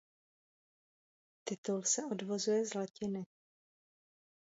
Titul se odvozuje z lat.